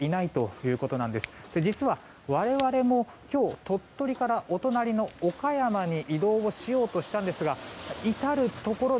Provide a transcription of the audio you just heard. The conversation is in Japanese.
実は我々も今日鳥取からお隣の岡山に移動をしようとしたんですが至るところで